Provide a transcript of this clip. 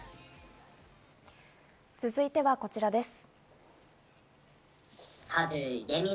続いてはこちらです。